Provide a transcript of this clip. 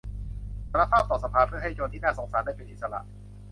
สารภาพต่อสภาเพื่อให้โจรที่น่าสงสารได้เป็นอิสระ